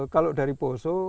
kalau dari poso